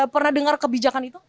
pernah dengar kebijakan itu